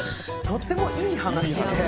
とってもいい話なんで。